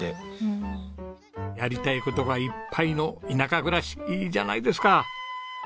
やりたい事がいっぱいの田舎暮らしいいじゃないですか。